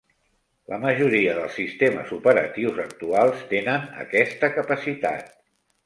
La majoria dels sistemes operatius actuals tenen aquesta capacitat.